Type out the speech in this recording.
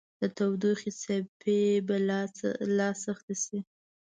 د تودوخې څپې به لا سختې شي